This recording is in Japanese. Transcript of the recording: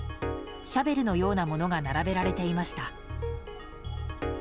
シャベルのようなものが並べられていました。